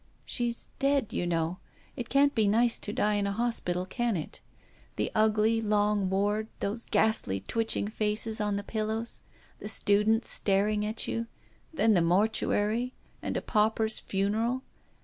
" She's dead, you know. It can't be nice to die in a hospital, can it ? The ugly, long ward, those ghastly, twitching faces on the pillows, the students staring at you ; then the mortuary and a pauper's funeral."